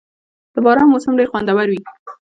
• د باران موسم ډېر خوندور وي.